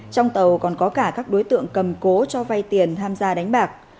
trong tàu còn có cả các đối tượng cầm cố cho vay tiền tham gia đánh bạc